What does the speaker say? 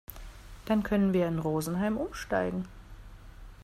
Dann können wir in Rosenheim umsteigen.